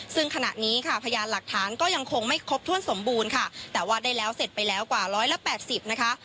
ซึ่งขณะนี้ค่ะพยานหลักฐานก็ยังคงไม่ครบถ้วนสมบูรณ์ค่ะแต่ว่าได้แล้วเสร็จไปแล้วกว่าร้อยละแปดสิบนะคะ